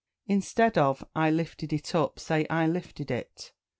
Instead of "I lifted it up," say "I lifted it."